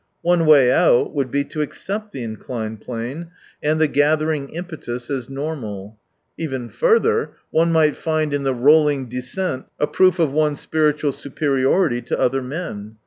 One way out would be to accept the inclined plane and the 93 gathering impetus as normal. Even further, one might find in the rolling descent a proof of one's spiritual superiority to other men.